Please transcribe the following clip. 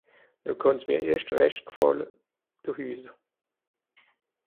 No kànn's mìr erscht rächt gfàlle do hüsse